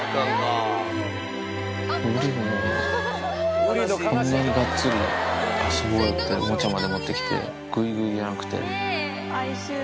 ウリも、こんなにがっつり遊ぼうよっておもちゃまで持ってきて、ぐいぐいじゃなくて。